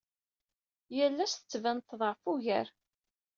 Yal ass tettban-d teḍɛef ugar.